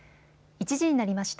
１時になりました。